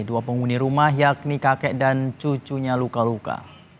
dua penghuni rumah yakni kakek dan cucunya luka luka